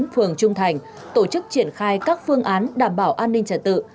phường trung thành tổ chức triển khai các phương án đảm bảo an ninh trật tự